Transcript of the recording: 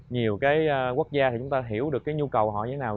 nhiều quốc gia thì chúng ta hiểu được nhu cầu họ như thế nào